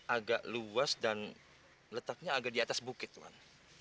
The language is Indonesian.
agak luas dan letaknya agak di atas bukit tuhan